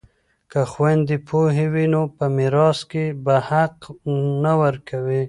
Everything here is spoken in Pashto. که خویندې پوهې وي نو په میراث کې به حق نه ورکوي.